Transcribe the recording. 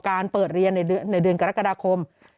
เปิดเรียนในเดือนกรกฎาคม